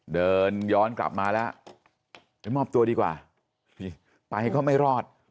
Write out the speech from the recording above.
เดินย้อนกลับมาแล้วไปมอบตัวดีกว่าไปก็ไม่รอด